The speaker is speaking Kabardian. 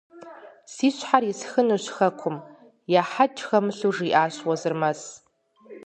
Си щхьэр исхынущ хэкум! – ехьэкӀ хэмылъу жиӀащ Уэзырмэс.